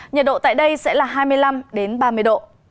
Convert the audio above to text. nhiệt độ tại đây sẽ là hai mươi năm ba mươi độ